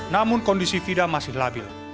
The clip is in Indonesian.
namun kondisi fida masih labil